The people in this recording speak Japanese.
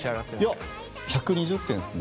いや１２０点ですね。